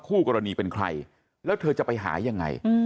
คู่กรณีเป็นใครแล้วเธอจะไปหายังไง